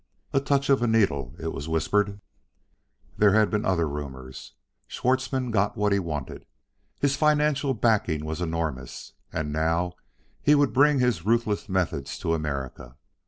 A touch of a needle, it was whispered.... There had been other rumors; Schwartzmann got what he wanted; his financial backing was enormous. And now he would bring his ruthless methods to America.